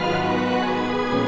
aku mau makan